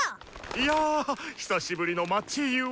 いや久しぶりの街ゆえ。